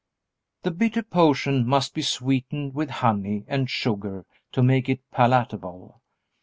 The bitter potion must be sweetened with honey and sugar to make it palatable.